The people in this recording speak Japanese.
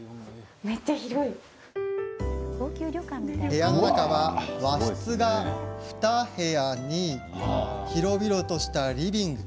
部屋の中は和室が２部屋に広々としたリビング。